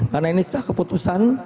karena ini sudah keputusan